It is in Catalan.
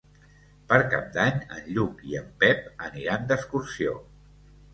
Per Cap d'Any en Lluc i en Pep aniran d'excursió.